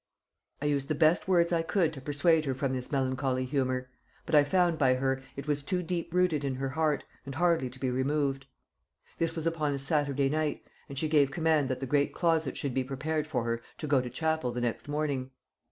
"I used the best words I could to persuade her from this melancholy humour; but I found by her it was too deep rooted in her heart, and hardly to be removed. This was upon a Saturday night, and she gave command that the great closet should be prepared for her to go to chapel the next morning.